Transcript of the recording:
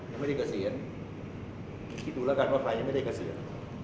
เกษียณคิดดูแล้วกันว่าใครยังไม่ได้เกษียณ